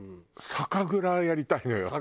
酒蔵やりたいの？